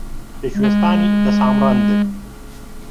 لە کوێستانی دە سامرەند